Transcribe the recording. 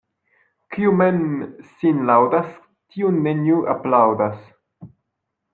Kiu mem sin laŭdas, tiun neniu aplaŭdas.